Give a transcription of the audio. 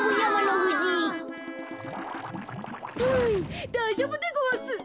ふうだいじょうぶでごわす。